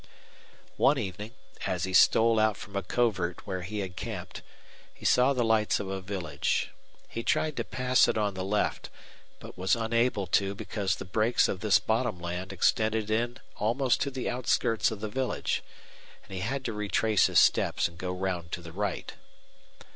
One evening, as he stole out from a covert where he had camped, he saw the lights of a village. He tried to pass it on the left, but was unable to because the brakes of this bottom land extended in almost to the outskirts of the village, and he had to retrace his steps and go round to the right.